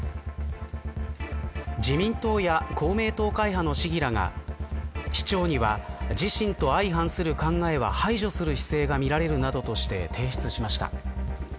自民党や公明党会派の市議らが市長には、自身と相反する考えは排除する姿勢が見られるなどとして提出しました。